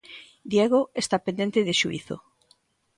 Diego está pendente de xuízo.